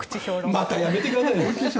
またやめてくださいよ。